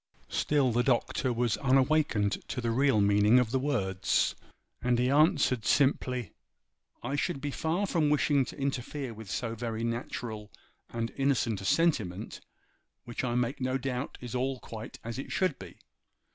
Still the Doctor was unawakened to the real meaning of the words, and he answered, simply,— 'I should be far from wishing to interfere with so very natural and innocent a sentiment, which I make no doubt is all quite as it should be.